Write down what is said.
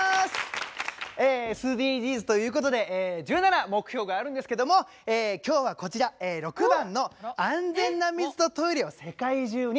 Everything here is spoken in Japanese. ＳＤＧｓということで１７目標があるんですけども今日はこちら６番の「安全な水とトイレを世界中に」。